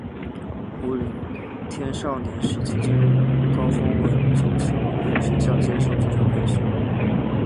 胡人天少年时期进入高丰文足球学校接受足球训练。